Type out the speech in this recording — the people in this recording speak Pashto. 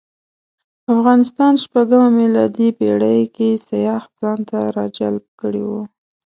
افغانستان شپږمه میلادي پېړۍ کې سیاح ځانته راجلب کړی و.